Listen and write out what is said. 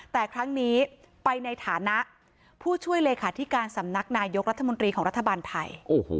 แต่ครั้งนี้ไปในฐานะผู้ช่วยเลขาธิการสำนักนายกรัฐมนตรีของรัฐบาลไทย